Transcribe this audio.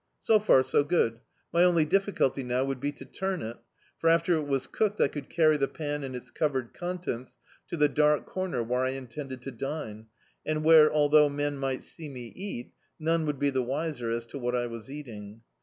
So far, so good: my only difiSculty aow would be to turn it; for after it was cooked I could carry the pan and its covered contents to the dark comer where I intended to dine; and where, although men mi^t see me eat, none would be the wiser as to what I was eating.